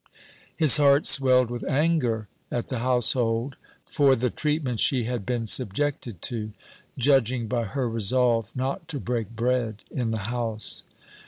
His heart swelled with anger at the household for they treatment she had been subjected to, judging by her resolve not to break bread in the house.